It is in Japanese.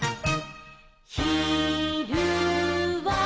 「ひるは」